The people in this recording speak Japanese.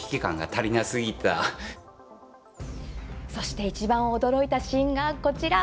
そしていちばん驚いたシーンがこちら！